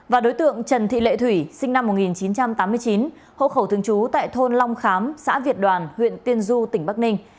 và đối tượng trần thị lệ thủy sinh năm một nghìn chín trăm tám mươi chín hộ khẩu thường trú tại thôn long khám xã việt đoàn huyện tiên du tỉnh bắc ninh